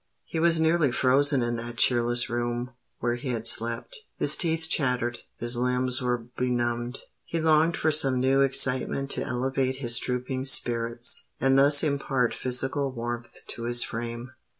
He was nearly frozen in that cheerless room where he had slept: his teeth chattered—his limbs were benumbed. He longed for some new excitement to elevate his drooping spirits, and thus impart physical warmth to his frame.